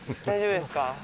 大丈夫ですか？